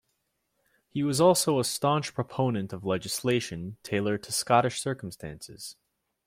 He was also a staunch proponent of legislation tailored to Scottish circumstances.